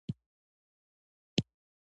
دوی د کار شرایط ګوري.